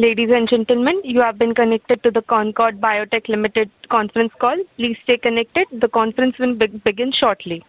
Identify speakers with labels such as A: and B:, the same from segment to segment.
A: Ladies and gentlemen, you have been connected to the Concord Biotech Limited conference call. Please stay connected. The conference will begin shortly.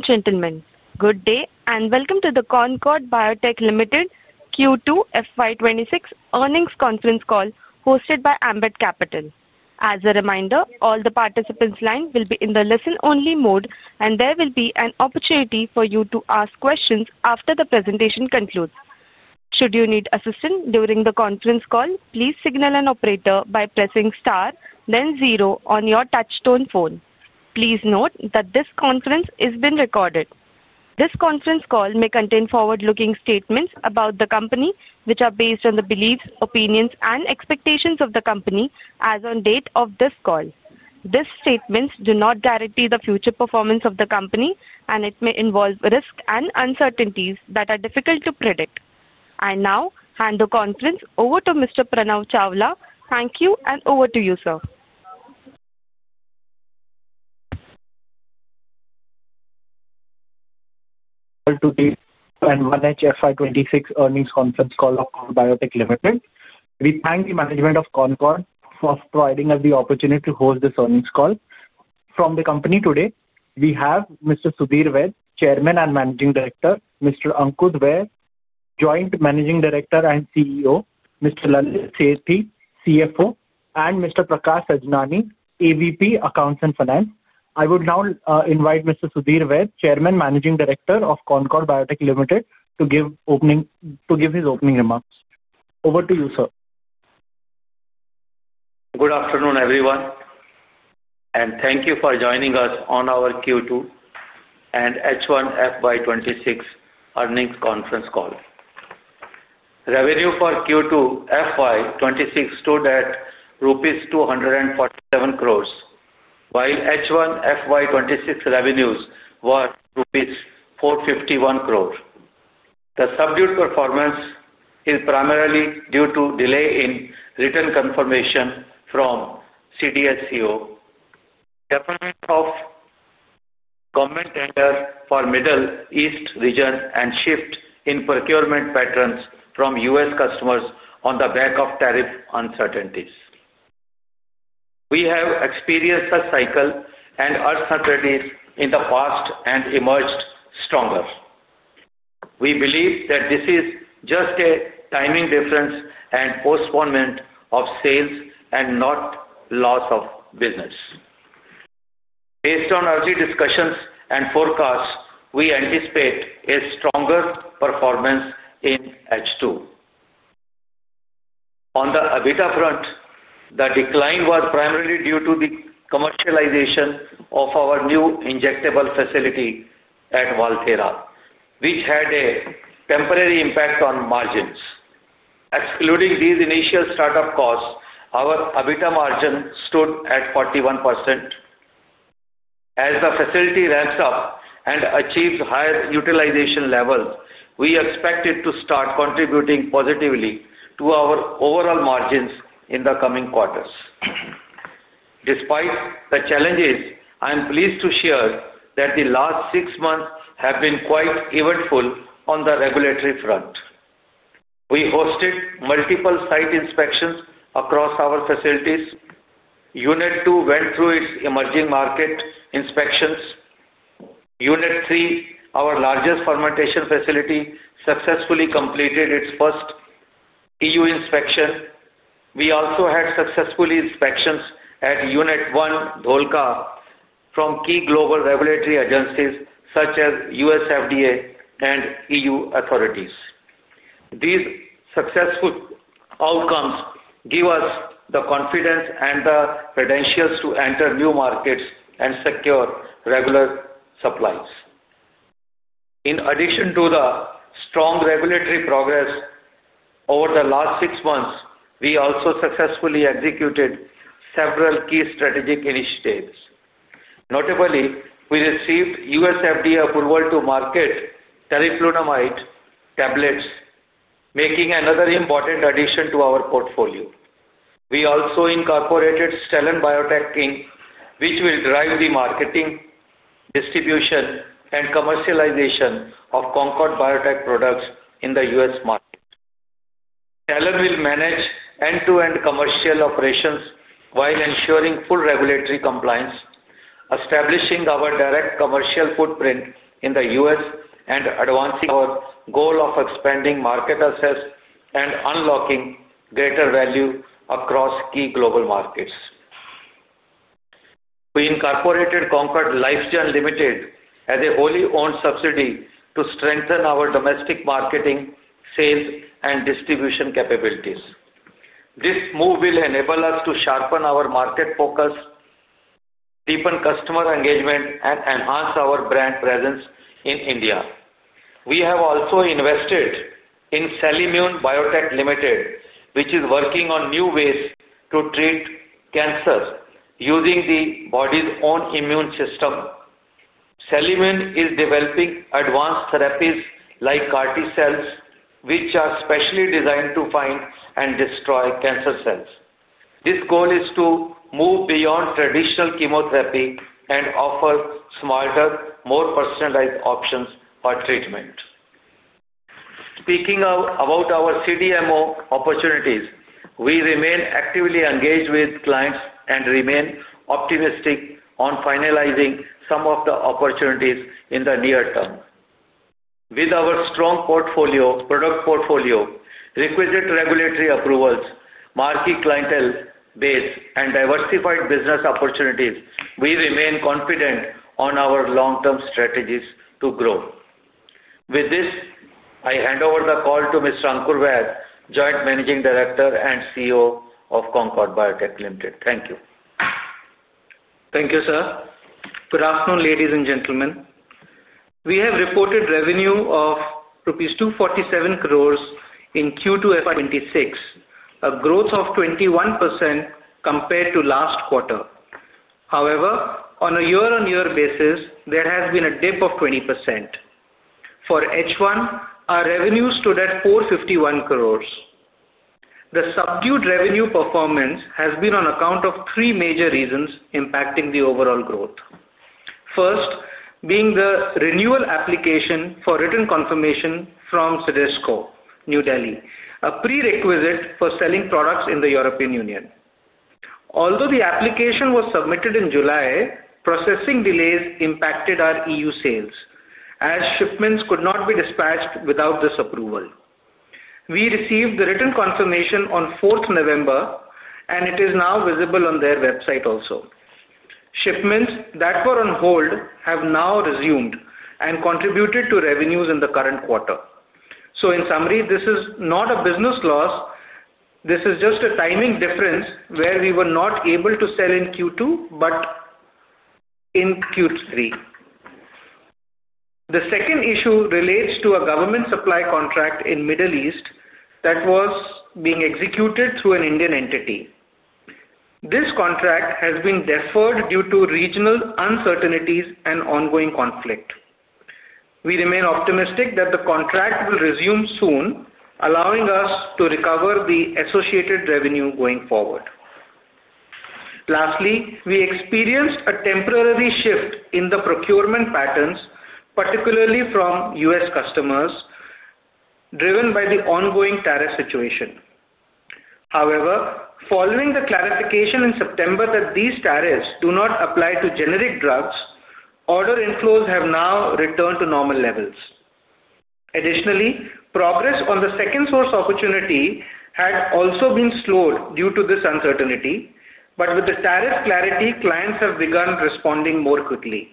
A: Ladies and gentlemen, good day and welcome to the Concord Biotech Limited Q2 FY2026 earnings conference call hosted by Ambit Capital. As a reminder, all the participants' lines will be in the listen-only mode, and there will be an opportunity for you to ask questions after the presentation concludes. Should you need assistance during the conference call, please signal an operator by pressing star, then zero on your touch-tone phone. Please note that this conference is being recorded. This conference call may contain forward-looking statements about the company, which are based on the beliefs, opinions, and expectations of the company as of the date of this call. These statements do not guarantee the future performance of the company, and it may involve risks and uncertainties that are difficult to predict. I now hand the conference over to Mr. Pranav Chawla. Thank you, and over to you, sir.
B: Welcome to the Q2 FY2026 earnings conference call of Concord Biotech Limited. We thank the management of Concord for providing us the opportunity to host this earnings call. From the company today, we have Mr. Sudhir Vaid, Chairman and Managing Director, Mr. Ankur Vaid, Joint Managing Director and CEO, Mr. Lalit Sethi, CFO, and Mr. Prakash Sajnani, AVP Accounts and Finance. I would now invite Mr. Sudhir Vaid, Chairman and Managing Director of Concord Biotech Limited, to give his opening remarks. Over to you, sir.
C: Good afternoon, everyone, and thank you for joining us on our Q2 and H1 FY2026 earnings conference call. Revenue for Q2 FY2026 stood at rupees 247 crore, while H1 FY2026 revenues were rupees 451 crore. The subdued performance is primarily due to delay in return confirmation from CDSCO, deficit of government tenders for the Middle East region, and shift in procurement patterns from US customers on the back of tariff uncertainties. We have experienced such cycles and uncertainties in the past and emerged stronger. We believe that this is just a timing difference and postponement of sales and not loss of business. Based on our discussions and forecasts, we anticipate a stronger performance in H2. On the EBITDA front, the decline was primarily due to the commercialization of our new injectable facility at Valthera, which had a temporary impact on margins. Excluding these initial startup costs, our EBITDA margin stood at 41%. As the facility ramps up and achieves higher utilization levels, we expect it to start contributing positively to our overall margins in the coming quarters. Despite the challenges, I am pleased to share that the last six months have been quite eventful on the regulatory front. We hosted multiple site inspections across our facilities. Unit 2 went through its emerging market inspections. Unit 3, our largest fermentation facility, successfully completed its first EU inspection. We also had successful inspections at Unit 1, Dholka, from key global regulatory agencies such as US FDA and EU authorities. These successful outcomes give us the confidence and the credentials to enter new markets and secure regular supplies. In addition to the strong regulatory progress over the last six months, we also successfully executed several key strategic initiatives. Notably, we received US FDA approval to market teriflunomide tablets, making another important addition to our portfolio. We also incorporated Stelon Biotech, which will drive the marketing, distribution, and commercialization of Concord Biotech products in the U.S market. Stelon will manage end-to-end commercial operations while ensuring full regulatory compliance, establishing our direct commercial footprint in the U.S, and advancing our goal of expanding market assets and unlocking greater value across key global markets. We incorporated Concord Lifestyle Limited as a wholly-owned subsidiary to strengthen our domestic marketing, sales, and distribution capabilities. This move will enable us to sharpen our market focus, deepen customer engagement, and enhance our brand presence in India. We have also invested in Celliimune Biotech Limited, which is working on new ways to treat cancer using the body's own immune system. Celliimune is developing advanced therapies like CAR-T cells, which are specially designed to find and destroy cancer cells. This goal is to move beyond traditional chemotherapy and offer smarter, more personalized options for treatment. Speaking about our CDMO opportunities, we remain actively engaged with clients and remain optimistic on finalizing some of the opportunities in the near term. With our strong product portfolio, requisite regulatory approvals, marquee clientele base, and diversified business opportunities, we remain confident on our long-term strategies to grow. With this, I hand over the call to Mr. Ankur Vaid, Joint Managing Director and CEO of Concord Biotech Limited. Thank you.
D: Thank you, sir. Good afternoon, ladies and gentlemen. We have reported revenue of 247 crore in Q2 FY2026, a growth of 21% compared to last quarter. However, on a year-on-year basis, there has been a dip of 20%. For H1, our revenue stood at 451 crore. The subdued revenue performance has been on account of three major reasons impacting the overall growth. First, being the renewal application for written confirmation from CDSCO, New Delhi, a prerequisite for selling products in the European Union. Although the application was submitted in July, processing delays impacted our EU sales, as shipments could not be dispatched without this approval. We received the written confirmation on 4th November, and it is now visible on their website also. Shipments that were on hold have now resumed and contributed to revenues in the current quarter. In summary, this is not a business loss; this is just a timing difference where we were not able to sell in Q2 but in Q3. The second issue relates to a government supply contract in the Middle East that was being executed through an Indian entity. This contract has been deferred due to regional uncertainties and ongoing conflict. We remain optimistic that the contract will resume soon, allowing us to recover the associated revenue going forward. Lastly, we experienced a temporary shift in the procurement patterns, particularly from U.S customers, driven by the ongoing tariff situation. However, following the clarification in September that these tariffs do not apply to generic drugs, order inflows have now returned to normal levels. Additionally, progress on the second source opportunity had also been slowed due to this uncertainty, but with the tariff clarity, clients have begun responding more quickly.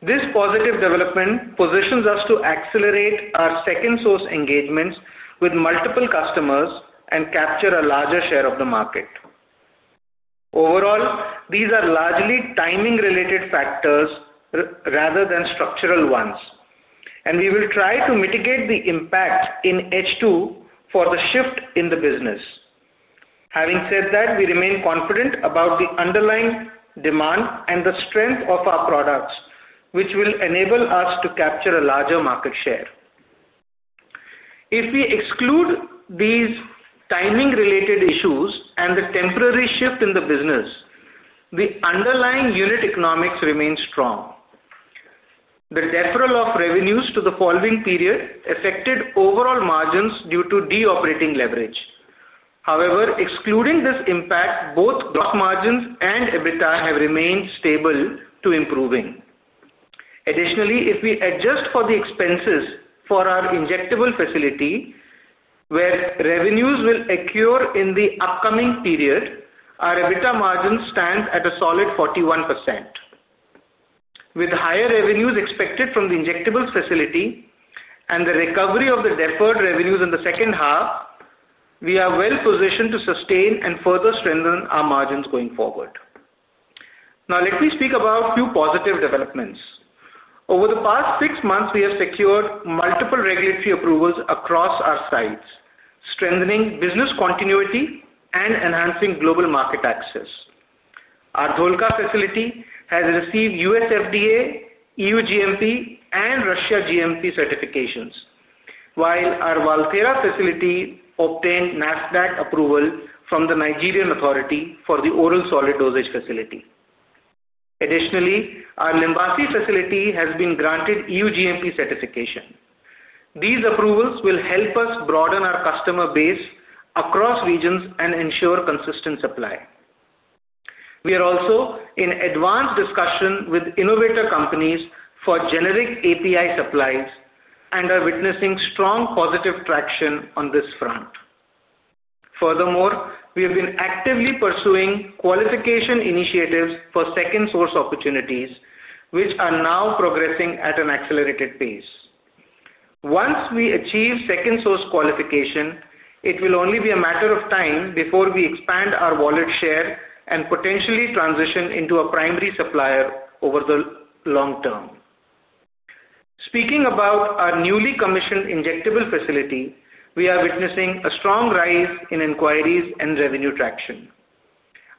D: This positive development positions us to accelerate our second source engagements with multiple customers and capture a larger share of the market. Overall, these are largely timing-related factors rather than structural ones, and we will try to mitigate the impact in H2 for the shift in the business. Having said that, we remain confident about the underlying demand and the strength of our products, which will enable us to capture a larger market share. If we exclude these timing-related issues and the temporary shift in the business, the underlying unit economics remain strong. The deferral of revenues to the following period affected overall margins due to de-operating leverage. However, excluding this impact, both gross margins and EBITDA have remained stable to improving. Additionally, if we adjust for the expenses for our injectable facility, where revenues will occur in the upcoming period, our EBITDA margins stand at a solid 41%. With higher revenues expected from the injectable facility and the recovery of the deferred revenues in the second half, we are well-positioned to sustain and further strengthen our margins going forward. Now, let me speak about a few positive developments. Over the past six months, we have secured multiple regulatory approvals across our sites, strengthening business continuity and enhancing global market access. Our Dholka facility has received US FDA, EU GMP, and Russia GMP certifications, while our Valthera facility obtained NAFDAC approval from the Nigerian authority for the oral solid dosage facility. Additionally, our Limbassi facility has been granted EU GMP certification. These approvals will help us broaden our customer base across regions and ensure consistent supply. We are also in advanced discussion with innovator companies for generic API supplies and are witnessing strong positive traction on this front. Furthermore, we have been actively pursuing qualification initiatives for second source opportunities, which are now progressing at an accelerated pace. Once we achieve second source qualification, it will only be a matter of time before we expand our wallet share and potentially transition into a primary supplier over the long term. Speaking about our newly commissioned injectable facility, we are witnessing a strong rise in inquiries and revenue traction.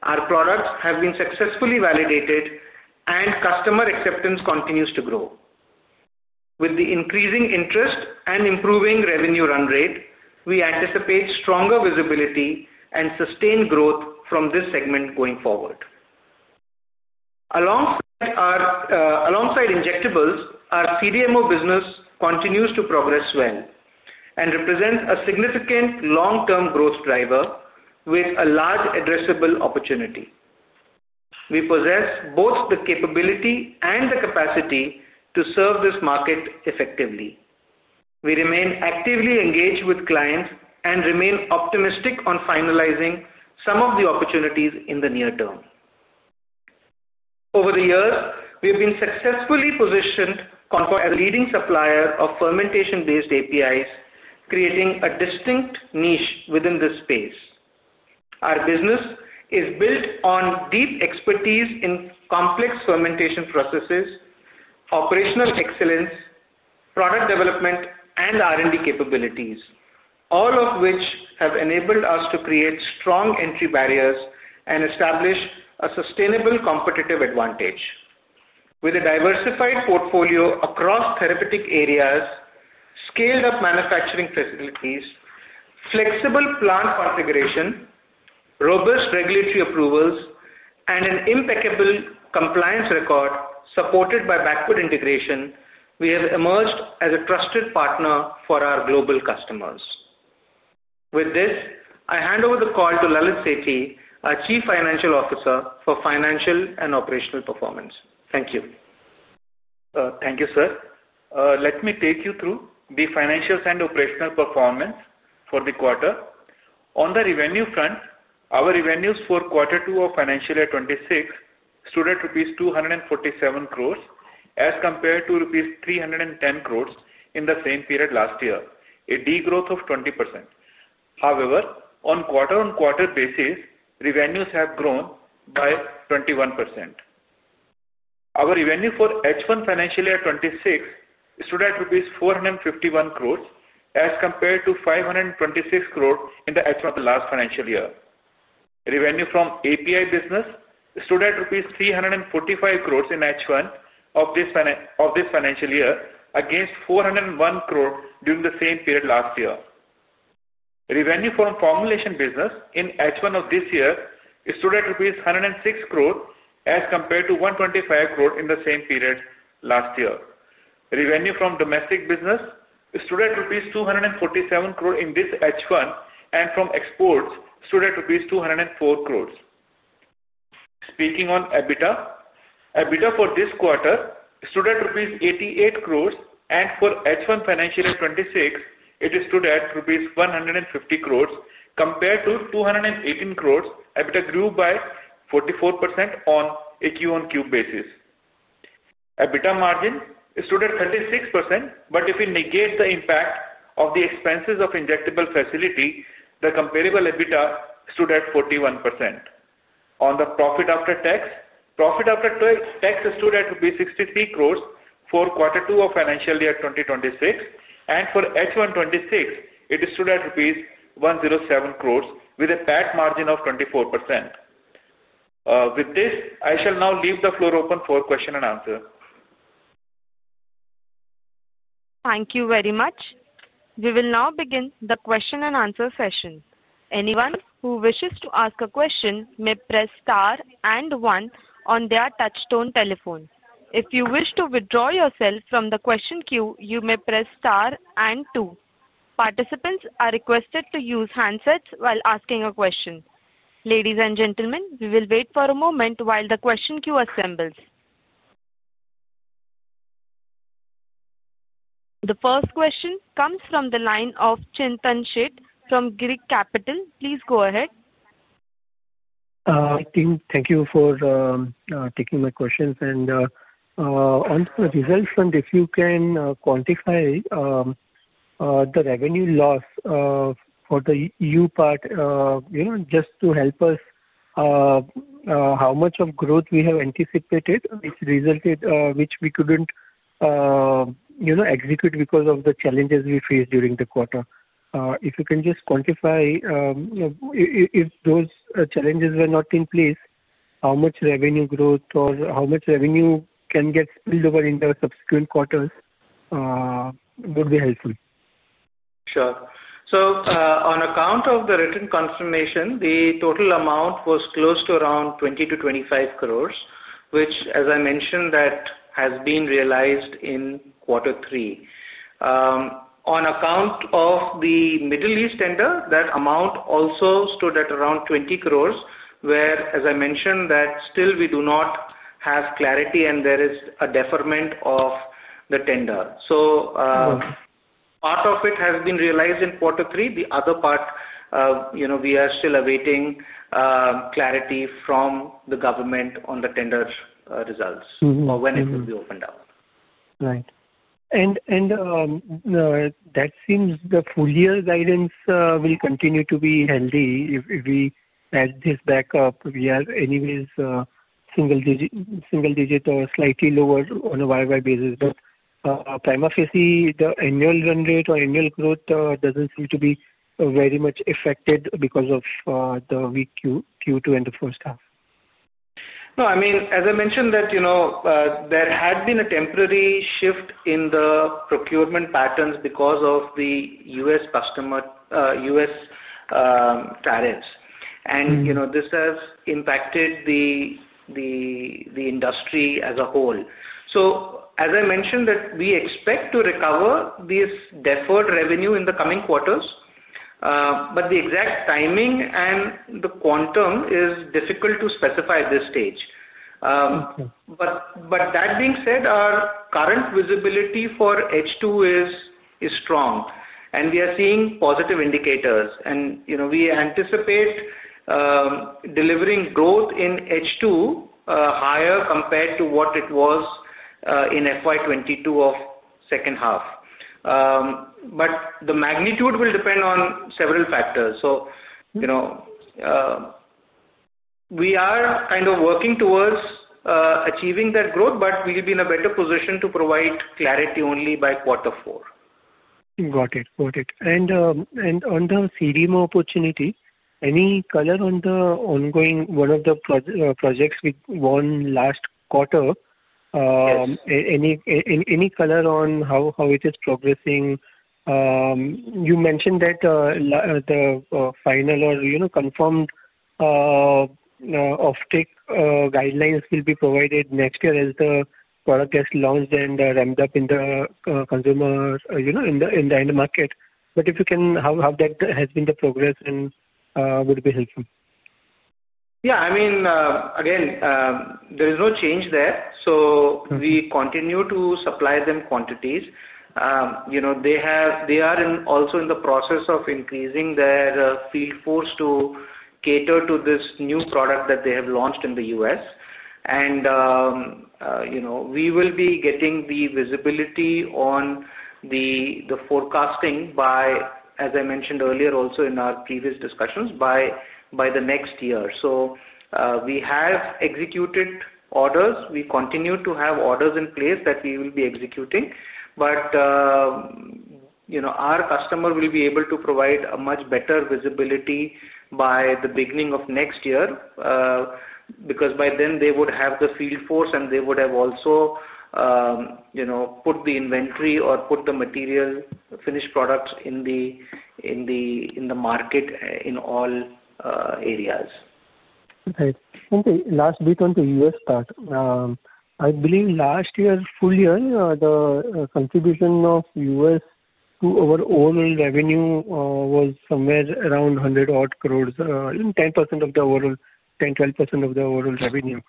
D: Our products have been successfully validated, and customer acceptance continues to grow. With the increasing interest and improving revenue run rate, we anticipate stronger visibility and sustained growth from this segment going forward. Alongside injectables, our CDMO business continues to progress well and represents a significant long-term growth driver with a large addressable opportunity. We possess both the capability and the capacity to serve this market effectively. We remain actively engaged with clients and remain optimistic on finalizing some of the opportunities in the near term. Over the years, we have been successfully positioned as a leading supplier of fermentation-based APIs, creating a distinct niche within this space. Our business is built on deep expertise in complex fermentation processes, operational excellence, product development, and R&D capabilities, all of which have enabled us to create strong entry barriers and establish a sustainable competitive advantage. With a diversified portfolio across therapeutic areas, scaled-up manufacturing facilities, flexible plant configuration, robust regulatory approvals, and an impeccable compliance record supported by backward integration, we have emerged as a trusted partner for our global customers. With this, I hand over the call to Lalit Sethi, our Chief Financial Officer for Financial and Operational Performance. Thank you.
E: Thank you, sir. Let me take you through the financials and operational performance for the quarter. On the revenue front, our revenues for Q2 of financial year 2026 stood at rupees 247 crore as compared to rupees 310 crore in the same period last year, a degrowth of 20%. However, on quarter-on-quarter basis, revenues have grown by 21%. Our revenue for H1 financial year 2026 stood at rupees 451 crore as compared to 526 crore in the H1 of the last financial year. Revenue from API business stood at rupees 345 crore in H1 of this financial year, against 401 crore during the same period last year. Revenue from formulation business in H1 of this year stood at rupees 106 crore as compared to 125 crore in the same period last year. Revenue from domestic business stood at rupees 247 crore in this H1, and from exports stood at rupees 204 crore. Speaking on EBITDA, EBITDA for this quarter stood at rupees 88 crore, and for H1 financial year 2026, it stood at rupees 150 crore compared to 218 crore. EBITDA grew by 44% on a Q-on-Q basis. EBITDA margin stood at 36%, but if we negate the impact of the expenses of injectable facility, the comparable EBITDA stood at 41%. On the profit after tax, profit after tax stood at 63 crore for Q2 of financial year 2026, and for H1 2026, it stood at rupees 107 crore with a PAT margin of 24%. With this, I shall now leave the floor open for question and answer.
A: Thank you very much. We will now begin the question and answer session. Anyone who wishes to ask a question may press star and one on their touchstone telephone. If you wish to withdraw yourself from the question queue, you may press star and two. Participants are requested to use handsets while asking a question. Ladies and gentlemen, we will wait for a moment while the question queue assembles. The first question comes from the line of Chintan Sheth from Girik Capital. Please go ahead.
F: Thank you for taking my questions. On the results front, if you can quantify the revenue loss for the EU part, just to help us, how much of growth we have anticipated, which resulted, which we could not execute because of the challenges we faced during the quarter. If you can just quantify if those challenges were not in place, how much revenue growth or how much revenue can get spilled over into subsequent quarters would be helpful.
D: Sure. On account of the written confirmation, the total amount was close to around 20-25 crore, which, as I mentioned, has been realized in Q3. On account of the Middle East tender, that amount also stood at around 20 crore, where, as I mentioned, we still do not have clarity, and there is a deferment of the tender. Part of it has been realized in Q3. The other part, we are still awaiting clarity from the government on the tender results or when it will be opened up.
F: Right. That seems the full year guidance will continue to be healthy if we add this back up. We are anyways single digit or slightly lower on a year-by-year basis. Primary facility, the annual run rate or annual growth does not seem to be very much affected because of the weak Q2 in the first half.
D: No, I mean, as I mentioned, that there had been a temporary shift in the procurement patterns because of the U.S customer U.S tariffs. This has impacted the industry as a whole. As I mentioned, we expect to recover this deferred revenue in the coming quarters, but the exact timing and the quantum is difficult to specify at this stage. That being said, our current visibility for H2 is strong, and we are seeing positive indicators. We anticipate delivering growth in H2 higher compared to what it was in FY 2022 of second half. The magnitude will depend on several factors. We are kind of working towards achieving that growth, but we'll be in a better position to provide clarity only by Q4.
F: Got it. Got it. On the CDMO opportunity, any color on the ongoing one of the projects we won last quarter? Any color on how it is progressing? You mentioned that the final or confirmed offtake guidelines will be provided next year as the product gets launched and ramped up in the consumer in the market. If you can have that, has been the progress, then it would be helpful.
D: Yeah. I mean, again, there is no change there. We continue to supply them quantities. They are also in the process of increasing their field force to cater to this new product that they have launched in the U.S. We will be getting the visibility on the forecasting by, as I mentioned earlier, also in our previous discussions, by the next year. We have executed orders. We continue to have orders in place that we will be executing. Our customer will be able to provide a much better visibility by the beginning of next year because by then they would have the field force, and they would have also put the inventory or put the material finished products in the market in all areas.
F: Right. Last, we turn to the U..S part. I believe last year, full year, the contribution of US to our overall revenue was somewhere around 100 crore, 10% of the overall, 10%-12% of the overall revenue.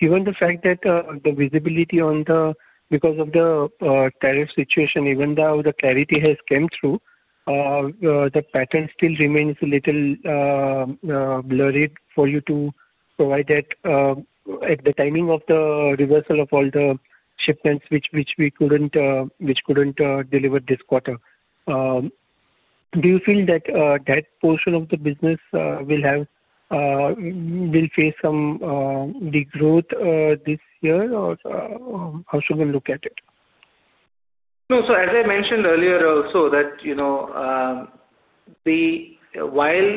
F: Given the fact that the visibility on the, because of the tariff situation, even though the clarity has come through, the pattern still remains a little blurry for you to provide that at the timing of the reversal of all the shipments which we couldn't deliver this quarter. Do you feel that that portion of the business will face some degrowth this year, or how should we look at it?
D: No. As I mentioned earlier also, while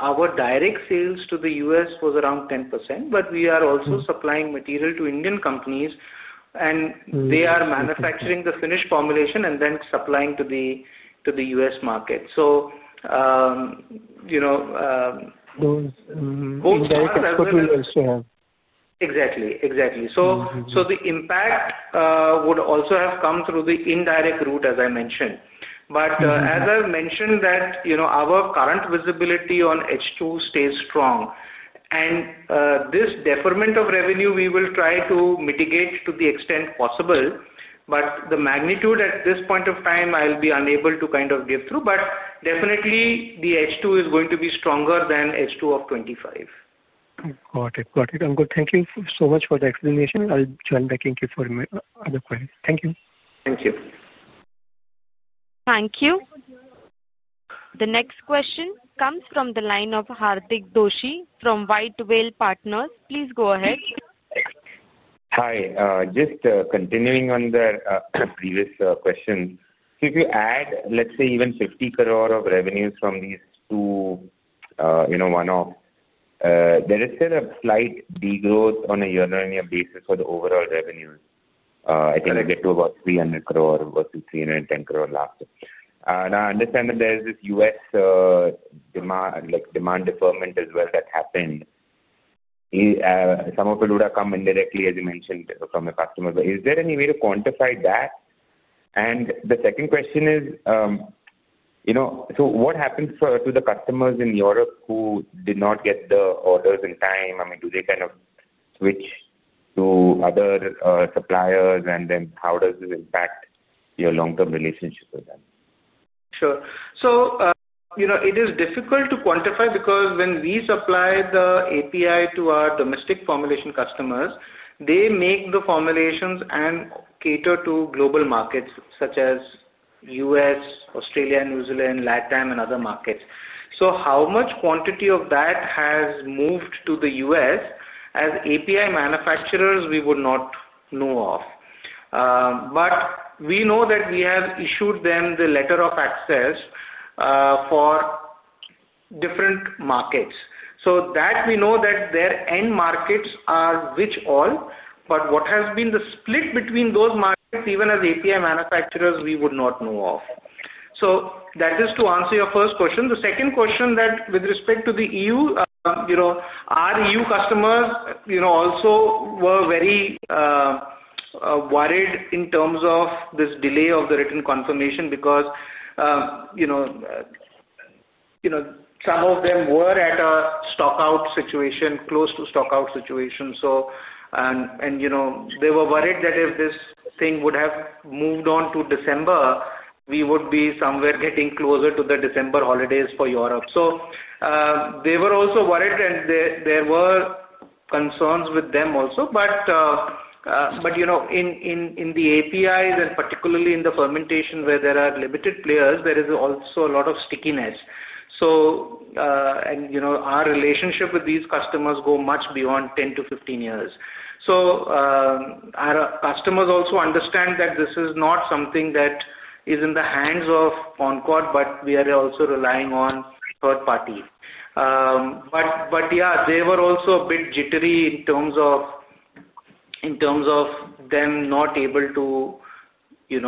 D: our direct sales to the U.S was around 10%, we are also supplying material to Indian companies, and they are manufacturing the finished formulation and then supplying to the U.S market.
F: Those indirect sales to have.
D: Exactly. Exactly. The impact would also have come through the indirect route, as I mentioned. As I mentioned, our current visibility on H2 stays strong. This deferment of revenue, we will try to mitigate to the extent possible. The magnitude at this point of time, I'll be unable to kind of get through. Definitely, H2 is going to be stronger than H2 of 2025.
F: Got it. Got it. I'm good. Thank you so much for the explanation. I'll join back in a few other questions. Thank you.
D: Thank you.
A: Thank you. The next question comes from the line of Hardik Doshi from White Whale Partners. Please go ahead.
G: Hi. Just continuing on the previous question. If you add, let's say, even 50 crore of revenues from these two one-offs, there is still a slight degrowth on a year-on-year basis for the overall revenue. I think we get to about 300 crore versus 310 crore last year. I understand that there is this US demand deferment as well that happened. Some of it would have come indirectly, as you mentioned, from the customer. Is there any way to quantify that? The second question is, what happens to the customers in Europe who did not get the orders in time? I mean, do they kind of switch to other suppliers, and then how does this impact your long-term relationship with them?
D: Sure. It is difficult to quantify because when we supply the API to our domestic formulation customers, they make the formulations and cater to global markets such as U.S, Australia, New Zealand, LatAm, and other markets. How much quantity of that has moved to the U.S, as API manufacturers, we would not know of. We know that we have issued them the letter of access for different markets. We know that their end markets are which all, but what has been the split between those markets, even as API manufacturers, we would not know of. That is to answer your first question. The second question, with respect to the EU, our EU customers also were very worried in terms of this delay of the written confirmation because some of them were at a stockout situation, close to stockout situation. They were worried that if this thing would have moved on to December, we would be somewhere getting closer to the December holidays for Europe. They were also worried, and there were concerns with them also. In the APIs, and particularly in the fermentation where there are limited players, there is also a lot of stickiness. Our relationship with these customers goes much beyond 10-15 years. Our customers also understand that this is not something that is in the hands of Concord, but we are also relying on third parties. Yeah, they were also a bit jittery in terms of them not able to get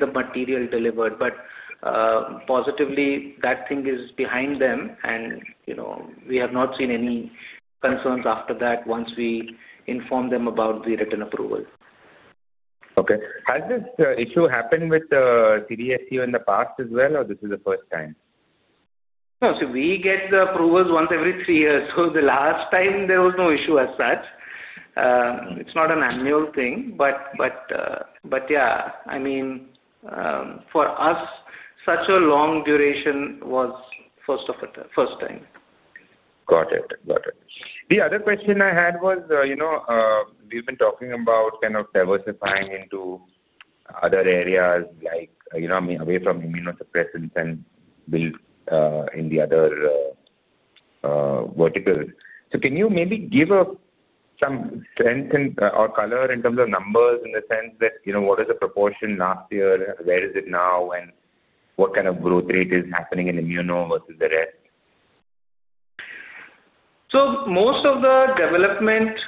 D: the material delivered. Positively, that thing is behind them, and we have not seen any concerns after that once we informed them about the written approval.
G: Okay. Has this issue happened with CDSCO in the past as well, or is this the first time?
D: No. So we get the approvals once every three years. The last time, there was no issue as such. It is not an annual thing. Yeah, I mean, for us, such a long duration was first of a first time.
G: Got it. Got it. The other question I had was we've been talking about kind of diversifying into other areas like away from immunosuppressants and built in the other verticals. Can you maybe give some strength or color in terms of numbers in the sense that what is the proportion last year, where is it now, and what kind of growth rate is happening in immuno versus the rest?
D: Most of the development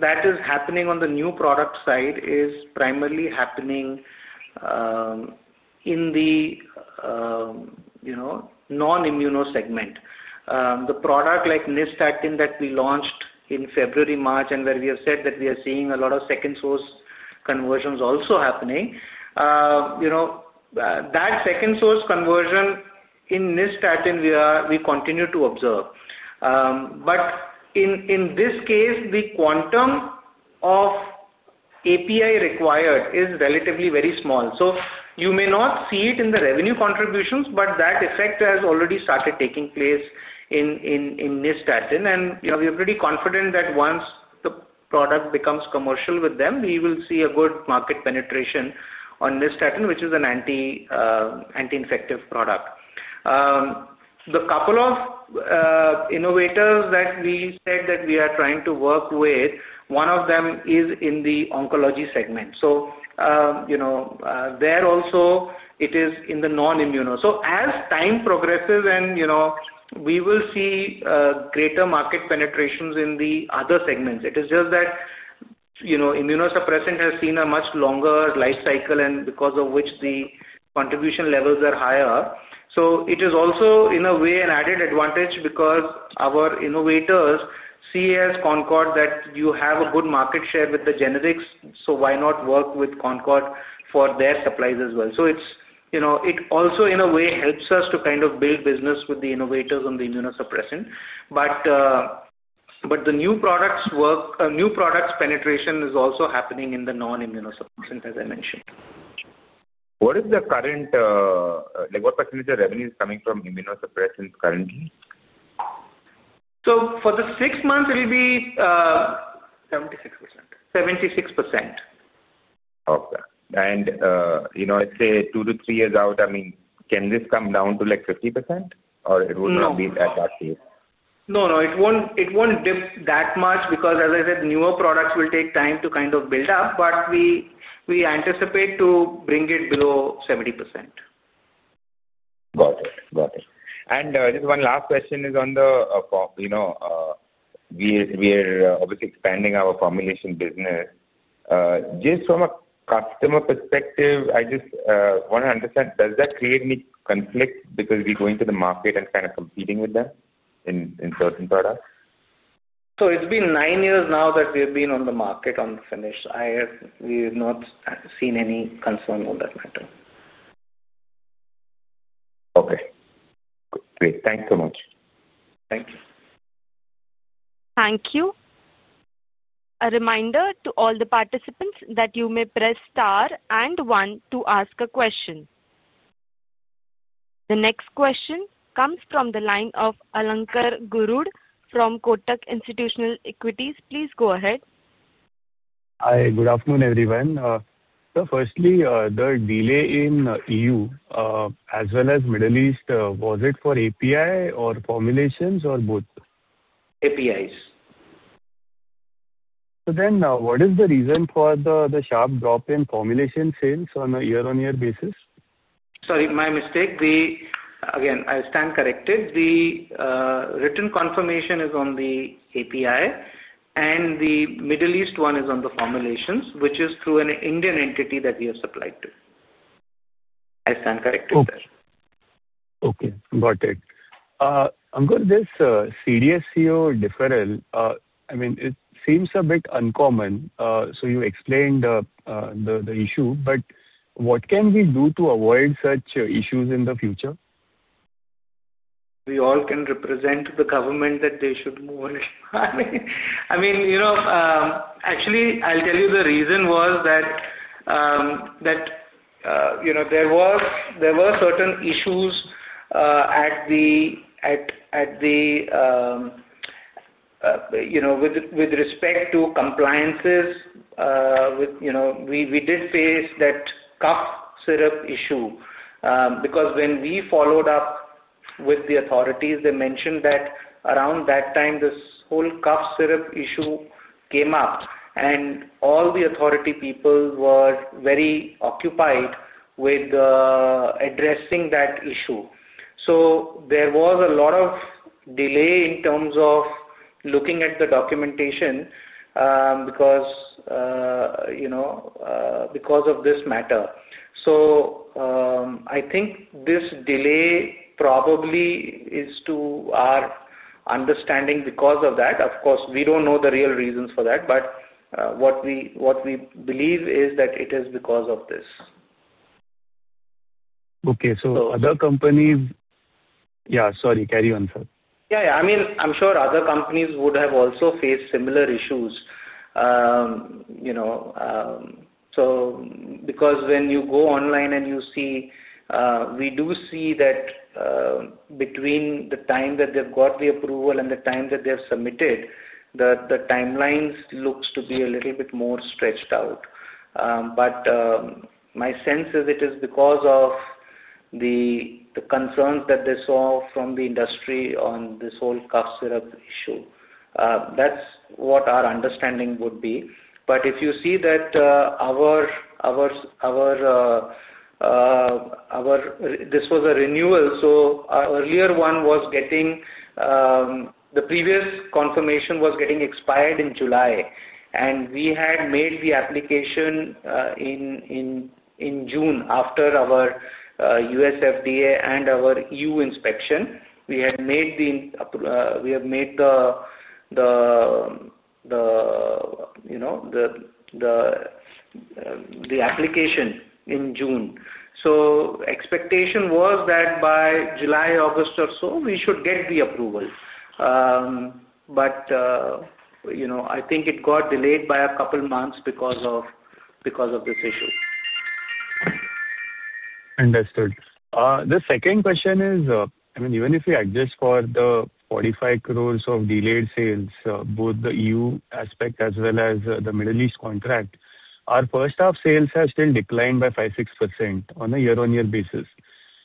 D: that is happening on the new product side is primarily happening in the non-immuno segment. The product like Nystatin that we launched in February, March, and where we have said that we are seeing a lot of second-source conversions also happening, that second-source conversion in Nystatin, we continue to observe. In this case, the quantum of API required is relatively very small. You may not see it in the revenue contributions, but that effect has already started taking place in Nystatin. We are pretty confident that once the product becomes commercial with them, we will see a good market penetration on Nystatin, which is an anti-infective product. The couple of innovators that we said that we are trying to work with, one of them is in the oncology segment. There also, it is in the non-immuno. As time progresses, and we will see greater market penetrations in the other segments. It is just that immunosuppressant has seen a much longer life cycle, and because of which the contribution levels are higher. It is also, in a way, an added advantage because our innovators see as Concord that you have a good market share with the generics, so why not work with Concord for their supplies as well? It also, in a way, helps us to kind of build business with the innovators on the immunosuppressant. The new products penetration is also happening in the non-immunosuppressant, as I mentioned.
G: What is the current, what percentage of revenue is coming from immunosuppressants currently?
D: For the six months, it will be 76%. 76%.
G: Okay. Let's say two to three years out, I mean, can this come down to like 50%, or it would not be at that stage?
C: No, no. It won't dip that much because, as I said, newer products will take time to kind of build up, but we anticipate to bring it below 70%.
G: Got it. Got it. Just one last question is on the we are obviously expanding our formulation business. Just from a customer perspective, I just want to understand, does that create any conflict because we're going to the market and kind of competing with them in certain products?
D: It's been nine years now that we have been on the market on the finished. We have not seen any concern on that matter.
G: Okay. Great. Thanks so much.
D: Thank you.
A: Thank you. A reminder to all the participants that you may press star and one to ask a question. The next question comes from the line of Alankar Garude from Kotak Institutional Equities. Please go ahead.
H: Hi. Good afternoon, everyone. Firstly, the delay in EU as well as Middle East, was it for API or formulations or both?
D: APIs.
H: What is the reason for the sharp drop in formulation sales on a year-on-year basis?
D: Sorry, my mistake. Again, I'll stand corrected. The written confirmation is on the API, and the Middle East one is on the formulations, which is through an Indian entity that we have supplied to. I stand corrected, sir.
H: Okay. Okay. Got it. I'm going to this CDSCO deferral. I mean, it seems a bit uncommon. You explained the issue, but what can we do to avoid such issues in the future? We all can represent the government that they should move on.
D: I mean, actually, I'll tell you the reason was that there were certain issues with respect to compliances. We did face that cough syrup issue because when we followed up with the authorities, they mentioned that around that time, this whole cough syrup issue came up, and all the authority people were very occupied with addressing that issue. There was a lot of delay in terms of looking at the documentation because of this matter. I think this delay probably is, to our understanding, because of that. Of course, we don't know the real reasons for that, but what we believe is that it is because of this.
H: Okay. So other companies, yeah, sorry. Carry on, sir.
D: Yeah. Yeah. I mean, I'm sure other companies would have also faced similar issues. Because when you go online and you see, we do see that between the time that they've got the approval and the time that they've submitted, the timelines look to be a little bit more stretched out. My sense is it is because of the concerns that they saw from the industry on this whole cough syrup issue. That's what our understanding would be. If you see that our this was a renewal. Our earlier one was getting the previous confirmation was getting expired in July, and we had made the application in June after our US FDA and our EU inspection. We had made the application in June. Expectation was that by July, August or so, we should get the approval. I think it got delayed by a couple of months because of this issue.
H: Understood. The second question is, I mean, even if we adjust for the 450 million of delayed sales, both the EU aspect as well as the Middle East contract, our first-half sales have still declined by 5%-6% on a year-on-year basis.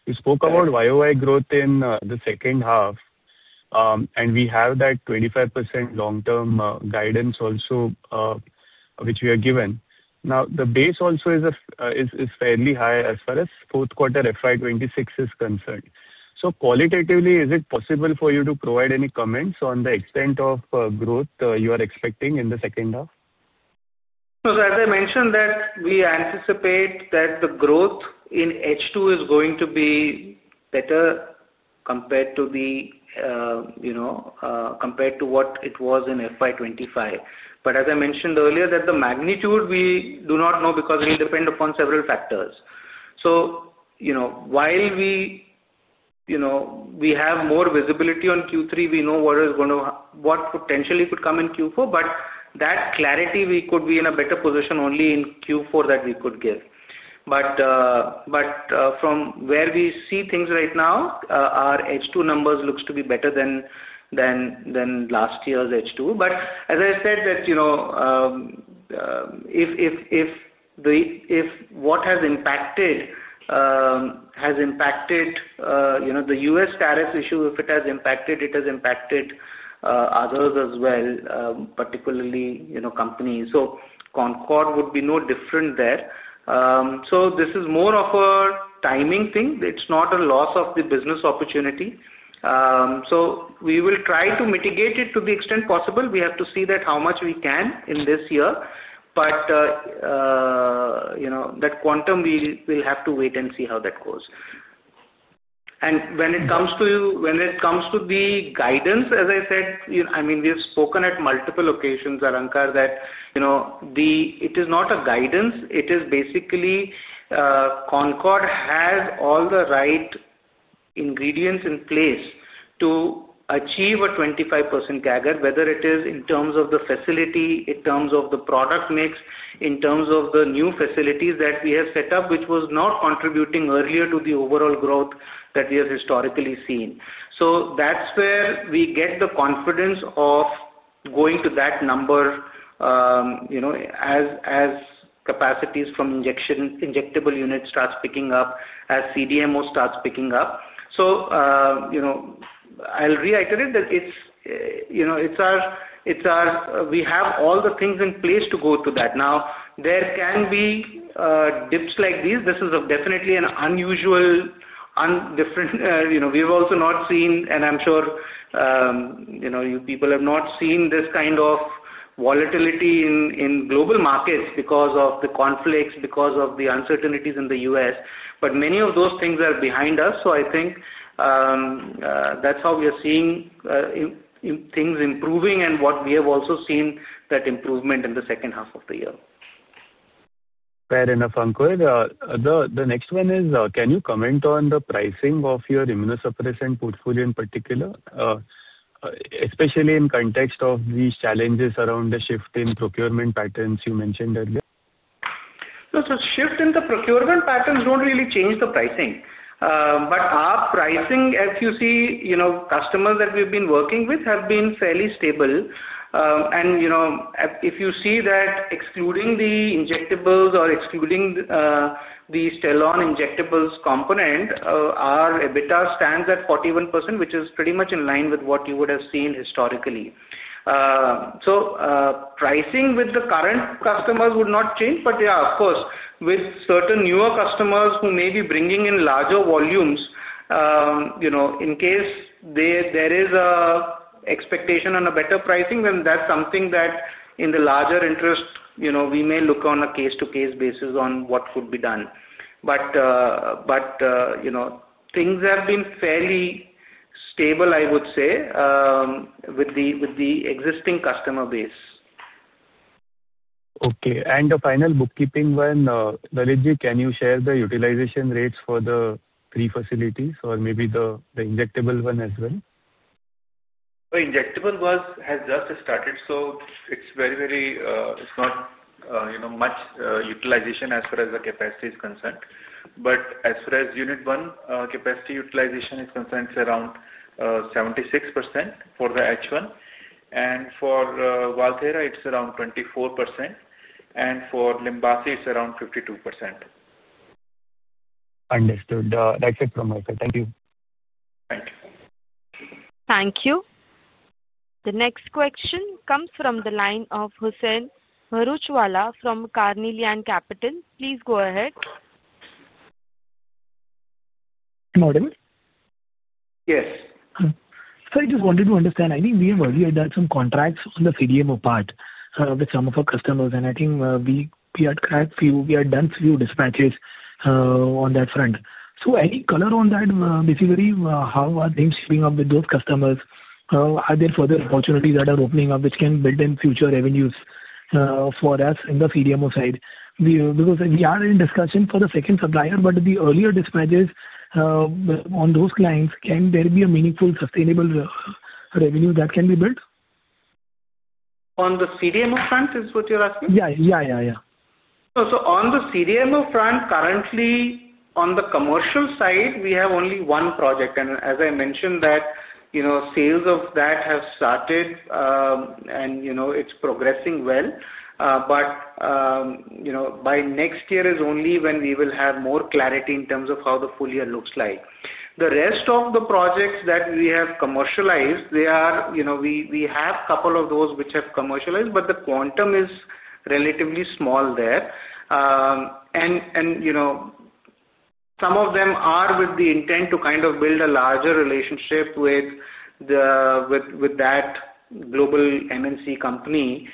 H: You spoke about YOI growth in the second half, and we have that 25% long-term guidance also which we are given. Now, the base also is fairly high as far as fourth quarter FY2026 is concerned. So qualitatively, is it possible for you to provide any comments on the extent of growth you are expecting in the second half?
D: As I mentioned, we anticipate that the growth in H2 is going to be better compared to what it was in FY2025. As I mentioned earlier, the magnitude, we do not know because we depend upon several factors. While we have more visibility on Q3, we know what potentially could come in Q4, but that clarity, we could be in a better position only in Q4 to give. From where we see things right now, our H2 numbers look to be better than last year's H2. As I said, if what has impacted has impacted the US tariff issue, if it has impacted, it has impacted others as well, particularly companies. Concord would be no different there. This is more of a timing thing. It's not a loss of the business opportunity. We will try to mitigate it to the extent possible. We have to see how much we can in this year. That quantum, we will have to wait and see how that goes. When it comes to the guidance, as I said, I mean, we have spoken at multiple occasions, Alankar, that it is not a guidance. It is basically Concord has all the right ingredients in place to achieve a 25% CAGR, whether it is in terms of the facility, in terms of the product mix, in terms of the new facilities that we have set up, which was not contributing earlier to the overall growth that we have historically seen. That's where we get the confidence of going to that number as capacities from injectable units start picking up, as CDMO starts picking up. I'll reiterate that we have all the things in place to go to that. Now, there can be dips like these. This is definitely an unusual dip we've also not seen, and I'm sure you people have not seen this kind of volatility in global markets because of the conflicts, because of the uncertainties in the U.S. Many of those things are behind us. I think that's how we are seeing things improving, and what we have also seen is that improvement in the second half of the year.
H: Fair enough, Ankur. The next one is, can you comment on the pricing of your immunosuppressant portfolio in particular, especially in context of these challenges around the shift in procurement patterns you mentioned earlier?
D: The shift in the procurement patterns do not really change the pricing. Our pricing, as you see, customers that we have been working with have been fairly stable. If you see that excluding the injectables or excluding the Stellan injectables component, our EBITDA stands at 41%, which is pretty much in line with what you would have seen historically. Pricing with the current customers would not change. Yeah, of course, with certain newer customers who may be bringing in larger volumes, in case there is an expectation on a better pricing, then that is something that in the larger interest, we may look on a case-to-case basis on what could be done. Things have been fairly stable, I would say, with the existing customer base.
H: Okay. The final bookkeeping one, Baliji, can you share the utilization rates for the three facilities or maybe the injectable one as well?
D: The injectable has just started. It is very, very, it is not much utilization as far as the capacity is concerned. As far as Unit 1 capacity utilization is concerned, it is around 76% for the H1. For Valthera, it is around 24%. For Limbassi, it is around 52%.
H: Understood. That's it from my side. Thank you.
D: Thank you.
A: Thank you. The next question comes from the line of Hussain Bharuchwala from Carnelian Capital. Please go ahead.
I: Good morning.
D: Yes.
I: I just wanted to understand. I think we have already done some contracts on the CDMO part with some of our customers, and I think we have done a few dispatches on that front. Any color on that, basically, how are things shaping up with those customers? Are there further opportunities that are opening up which can build in future revenues for us in the CDMO side? We are in discussion for the second supplier, but the earlier dispatches on those clients, can there be a meaningful sustainable revenue that can be built?
D: On the CDMO front, is what you're asking?
I: Yeah.
D: On the CDMO front, currently, on the commercial side, we have only one project. As I mentioned, sales of that have started, and it's progressing well. By next year is only when we will have more clarity in terms of how the full year looks like. The rest of the projects that we have commercialized, we have a couple of those which have commercialized, but the quantum is relatively small there. Some of them are with the intent to kind of build a larger relationship with that global MNC company.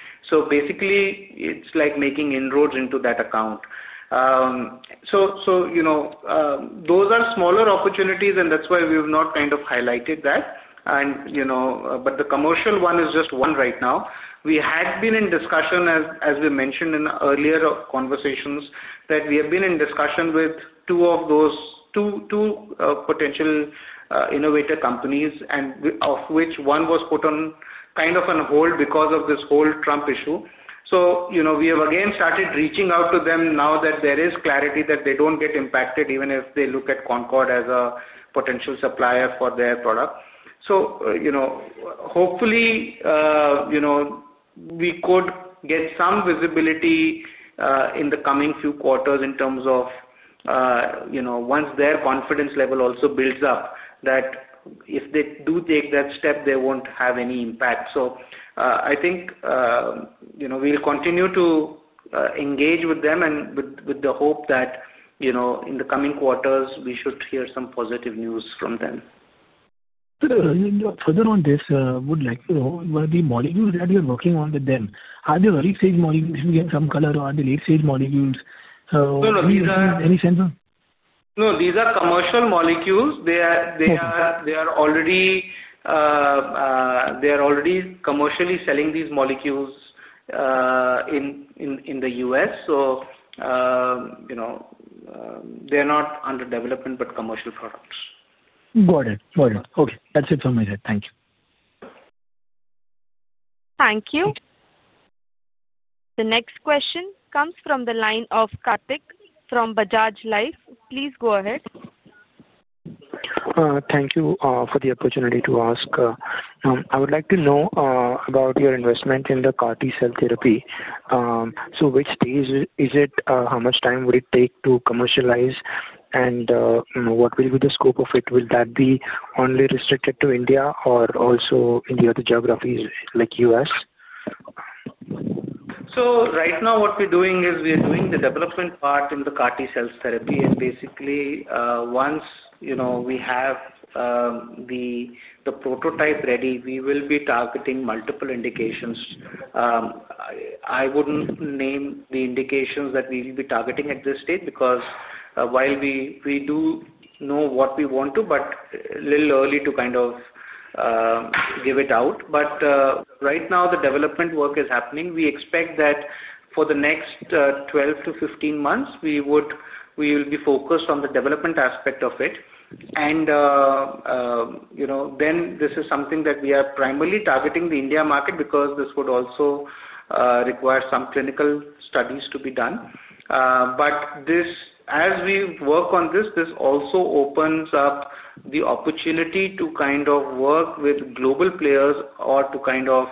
D: Basically, it's like making inroads into that account. Those are smaller opportunities, and that's why we have not kind of highlighted that. The commercial one is just one right now. We had been in discussion, as we mentioned in earlier conversations, that we have been in discussion with two of those two potential innovator companies, of which one was put on kind of on hold because of this whole Trump issue. We have again started reaching out to them now that there is clarity that they do not get impacted even if they look at Concord as a potential supplier for their product. Hopefully, we could get some visibility in the coming few quarters in terms of once their confidence level also builds up, that if they do take that step, they will not have any impact. I think we will continue to engage with them with the hope that in the coming quarters, we should hear some positive news from them.
I: Further on this, I would like to know, the molecules that you're working on with them, are they early-stage molecules? You mean some color or are they late-stage molecules?
D: No, no. These are.
I: Any sense of?
D: No, these are commercial molecules. They are already commercially selling these molecules in the US. So they're not under development, but commercial products.
I: Got it. Got it. Okay. That's it from my side. Thank you.
A: Thank you. The next question comes from the line of Kartik from Bajaj Life. Please go ahead.
J: Thank you for the opportunity to ask. I would like to know about your investment in the CAR-T cell therapy. Which stage is it? How much time would it take to commercialize? What will be the scope of it? Will that be only restricted to India or also in the other geographies like US?
D: Right now, what we're doing is we are doing the development part in the CAR-T cell therapy. Basically, once we have the prototype ready, we will be targeting multiple indications. I wouldn't name the indications that we will be targeting at this stage because while we do know what we want to, it is a little early to kind of give it out. Right now, the development work is happening. We expect that for the next 12-15 months, we will be focused on the development aspect of it. This is something that we are primarily targeting the India market because this would also require some clinical studies to be done. As we work on this, this also opens up the opportunity to kind of work with global players or to kind of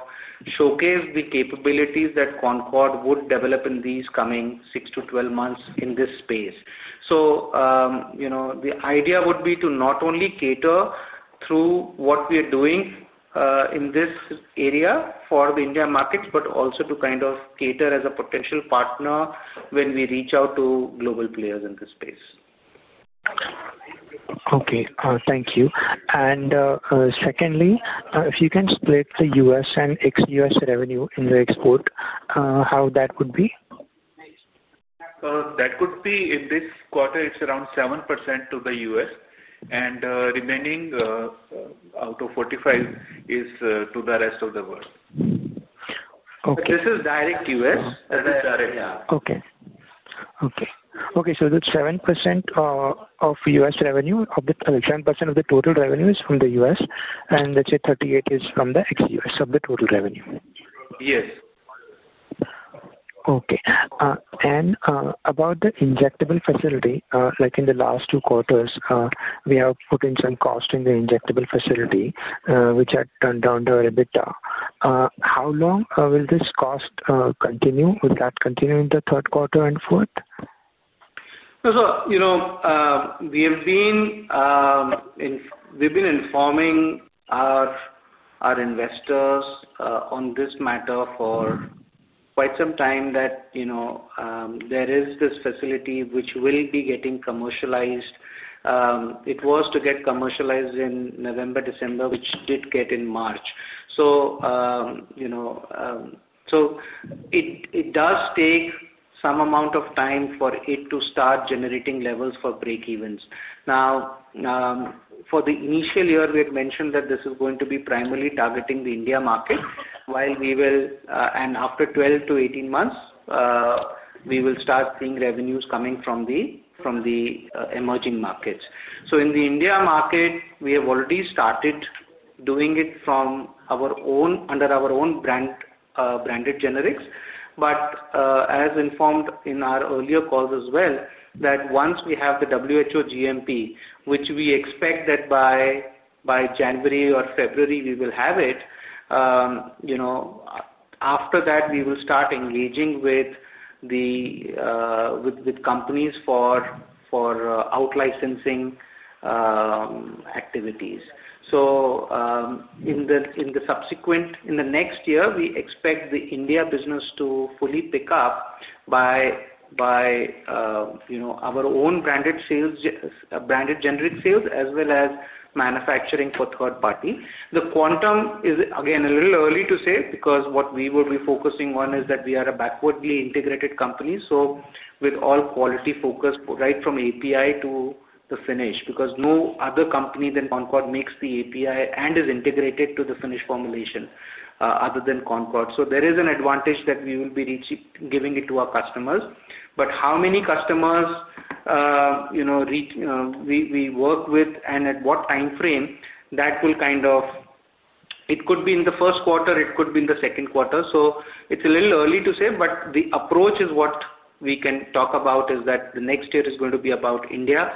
D: showcase the capabilities that Concord would develop in these coming six to twelve months in this space. The idea would be to not only cater through what we are doing in this area for the India market, but also to kind of cater as a potential partner when we reach out to global players in this space.
J: Okay. Thank you. Secondly, if you can split the US and ex-US revenue in the export, how would that be?
D: That could be in this quarter, it's around 7% to the US. The remaining out of 45 is to the rest of the world. This is direct US, as I said.
J: Okay. Okay. Okay. So that's 7% of U.S. revenue, 7% of the total revenue is from the U.S., and let's say 38% is from the ex-U.S. of the total revenue.
D: Yes.
J: Okay. About the injectable facility, like in the last two quarters, we have put in some cost in the injectable facility, which had turned down to our EBITDA. How long will this cost continue? Will that continue in the third quarter and fourth?
D: We have been informing our investors on this matter for quite some time that there is this facility which will be getting commercialized. It was to get commercialized in November, December, which did get in March. It does take some amount of time for it to start generating levels for breakevens. For the initial year, we had mentioned that this is going to be primarily targeting the India market, while we will, and after 12-18 months, we will start seeing revenues coming from the emerging markets. In the India market, we have already started doing it under our own branded generics. As informed in our earlier calls as well, once we have the WHO GMP, which we expect that by January or February, we will have it, after that, we will start engaging with companies for outlicensing activities. In the subsequent, in the next year, we expect the India business to fully pick up by our own branded generic sales as well as manufacturing for third party. The quantum is, again, a little early to say because what we will be focusing on is that we are a backwardly integrated company. With all quality focus right from API to the finish because no other company than Concord makes the API and is integrated to the finish formulation other than Concord. There is an advantage that we will be giving it to our customers. How many customers we work with and at what time frame, that will kind of, it could be in the first quarter, it could be in the second quarter. It's a little early to say, but the approach is what we can talk about is that the next year is going to be about India.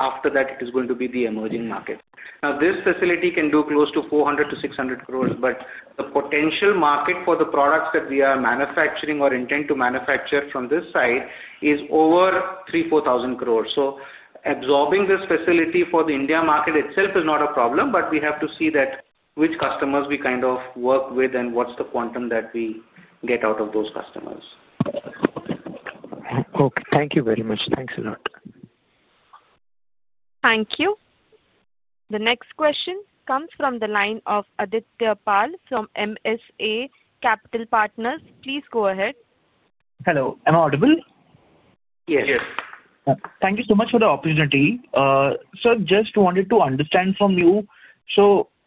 D: After that, it is going to be the emerging market. Now, this facility can do close to 400 crore-600 crore, but the potential market for the products that we are manufacturing or intend to manufacture from this site is over 3,000 crore-4,000 crore. Absorbing this facility for the India market itself is not a problem, but we have to see which customers we kind of work with and what's the quantum that we get out of those customers.
J: Okay. Thank you very much. Thanks a lot.
A: Thank you. The next question comes from the line of Adityapal from MSA Capital Partners. Please go ahead.
K: Hello. Am I audible?
D: Yes.
K: Yes. Thank you so much for the opportunity. I just wanted to understand from you.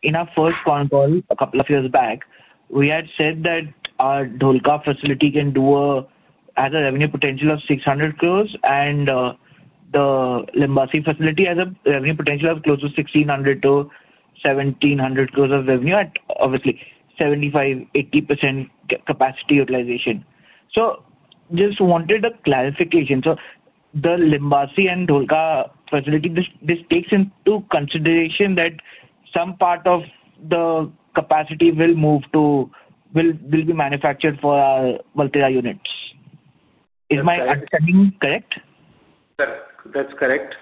K: In our first call, a couple of years back, we had said that our Dholka facility can do a revenue potential of 600 crore and the Limbassi facility has a revenue potential of close to INR 1,600crore - 1,700 crore of revenue at, obviously, 75%-80% capacity utilization. I just wanted a clarification. The Limbassi and Dholka facility, this takes into consideration that some part of the capacity will be manufactured for our Valthera units. Is my understanding correct?
D: Correct. That's correct.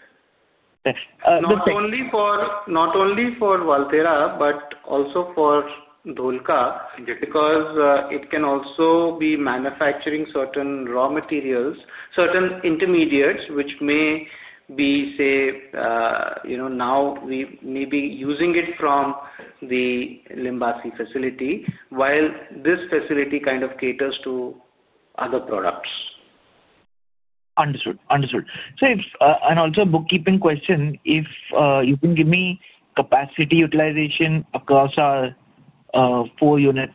D: Not only for Valthera, but also for Dholka because it can also be manufacturing certain raw materials, certain intermediates which may be, say, now we may be using it from the Limbassi facility while this facility kind of caters to other products.
K: Understood. Understood. So it's an also bookkeeping question. If you can give me capacity utilization across our four units.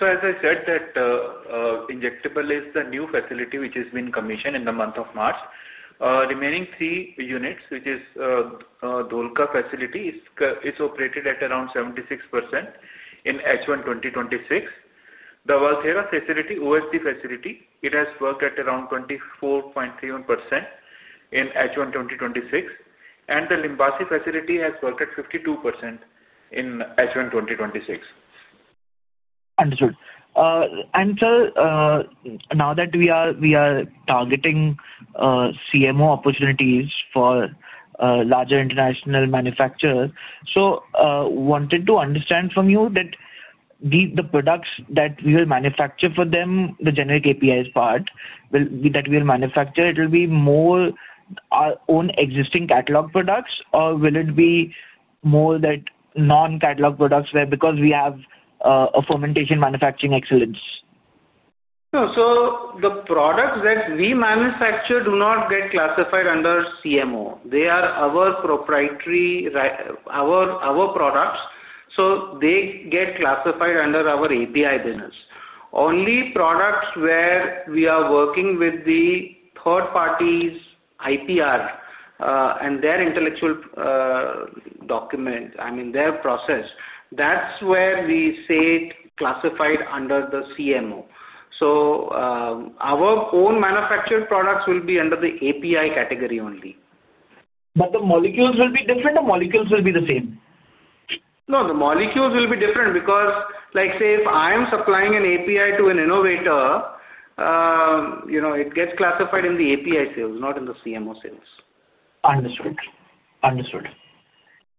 D: As I said, that injectable is the new facility which has been commissioned in the month of March. Remaining three units, which is Dholka facility, is operated at around 76% in H1 2026. The Valthera facility, OSD facility, it has worked at around 24.31% in H1 2026. The Limbassi facility has worked at 52% in H1 2026.
K: Understood. Sir, now that we are targeting CMO opportunities for larger international manufacturers, I wanted to understand from you that the products that we will manufacture for them, the generic APIs part that we will manufacture, will it be more our own existing catalog products or will it be more that non-catalog products because we have a fermentation manufacturing excellence?
D: The products that we manufacture do not get classified under CMO. They are our proprietary products. They get classified under our API business. Only products where we are working with the third party's IPR and their intellectual document, I mean, their process, that's where we say it is classified under the CMO. Our own manufactured products will be under the API category only.
K: Will the molecules be different or will the molecules be the same?
D: No, the molecules will be different because, like say, if I am supplying an API to an innovator, it gets classified in the API sales, not in the CMO sales.
K: Understood.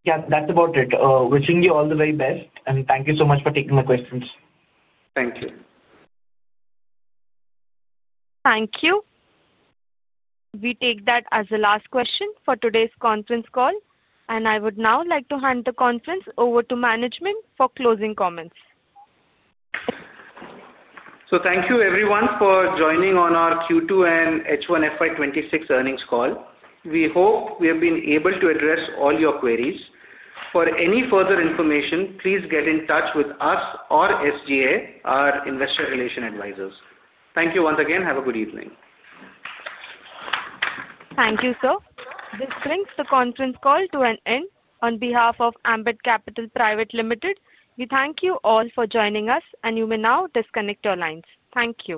K: Yeah, that's about it. Wishing you all the very best. Thank you so much for taking my questions.
D: Thank you.
A: Thank you. We take that as the last question for today's conference call. I would now like to hand the conference over to management for closing comments.
F: Thank you, everyone, for joining on our Q2 and H1 FY2026 earnings call. We hope we have been able to address all your queries. For any further information, please get in touch with us or SG Analytics, our investor relation advisors. Thank you once again. Have a good evening.
A: Thank you, sir. This brings the conference call to an end. On behalf of Ambit Capital, we thank you all for joining us, and you may now disconnect your lines. Thank you.